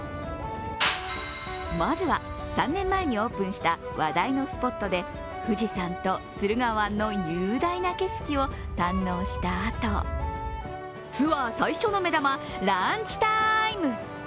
まずは、３年前にオープンした話題のスポットで富士山と駿河湾の雄大な景色を堪能したあと、ツアー最初の目玉、ランチタイム。